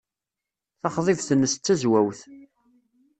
Taxḍibt-nnes d tazwawt.